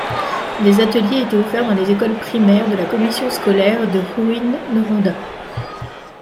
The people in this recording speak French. Des ateliers étaient offerts dans les écoles primaires de la Commission scolaire de Rouyn-Noranda.